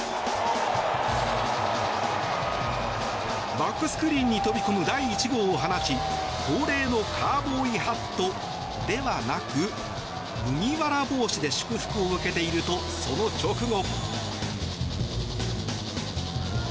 バックスクリーンに飛び込む第１号を放ち恒例のカウボーイハットではなく麦わら帽子で祝福を受けているとその直後。